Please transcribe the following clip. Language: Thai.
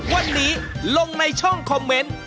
วันนี้ลงในช่องคอมเมนต์